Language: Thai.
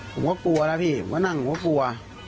ผมก็กลัวนะพี่ก็นั่งผมก็กลัว